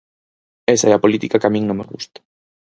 Esa é a política que a min non me gusta.